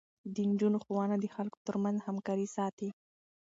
د نجونو ښوونه د خلکو ترمنځ همکاري ساتي.